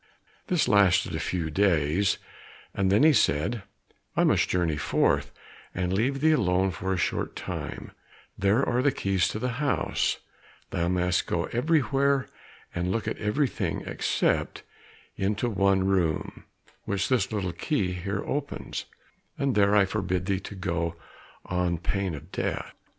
This lasted a few days, and then he said, "I must journey forth, and leave thee alone for a short time; there are the keys of the house; thou mayst go everywhere and look at everything except into one room, which this little key here opens, and there I forbid thee to go on pain of death."